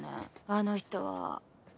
あの人は。